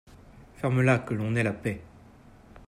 Ferme-là, que l'on ait la paix !